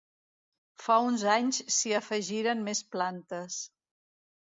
Fa uns anys s'hi afegiren més plantes.